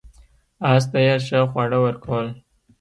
اس ته یې ښه خواړه ورکول.